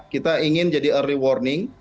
kita ingin jadi early warning